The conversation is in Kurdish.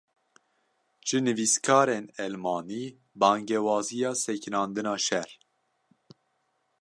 Ji nivîskarên Elmanî, bangewaziya sekinandina şer